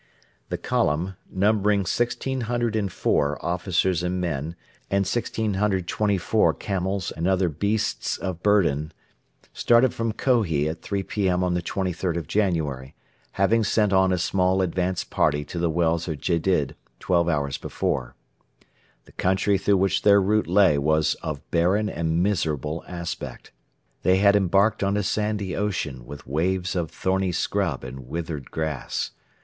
The column numbering 1,604 officers and men and 1,624 camels and other beasts of burden started from Kohi at 3 P.M. on the 23rd of January, having sent on a small advanced party to the wells of Gedid twelve hours before. The country through which their route lay was of barren and miserable aspect. They had embarked on a sandy ocean with waves of thorny scrub and withered grass.